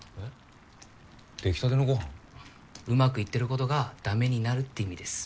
上手くいってることがダメになるって意味です。